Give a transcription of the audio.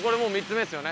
３つ目よ。